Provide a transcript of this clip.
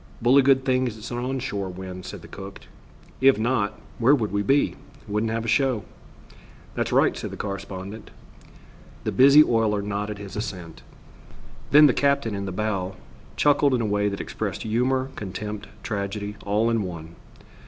"Bully good thing it's an on shore wind," said the cook; "If not, where would we be? Wouldn't have a show." "That's right," said the correspondent. The busy oiler nodded his assent. Then the captain, in the bow, chuckled in a way that expressed humor, contempt, tragedy, all in one.